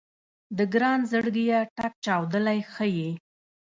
د ګران زړګيه ټک چاودلی ښه يې